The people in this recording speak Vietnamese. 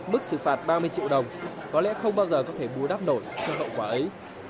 mức xử phạt ba mươi triệu đồng có lẽ không bao giờ có thể bù đắp nổi cho hậu quả ấy